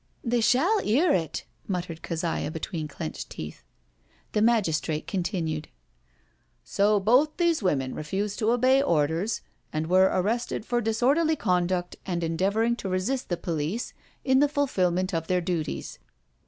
" They shall 'ear it," muttered Keziah, between clenched teeth. The magistrate continued: " So both these women refused to obey orders, and were arrested for disorderly conduct and endeavouring to resist the police in the fulfilment of their duties?